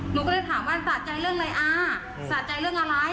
หนูก็เลยถามว่าสะใจเรื่องอะไรอาสะใจเรื่องอะไร